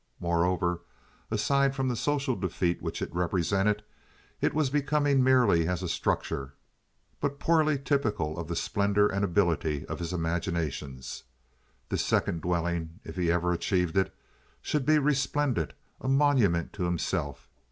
Moreover, aside from the social defeat which it represented, it was becoming merely as a structure, but poorly typical of the splendor and ability of his imaginations. This second dwelling, if he ever achieved it, should be resplendent, a monument to himself.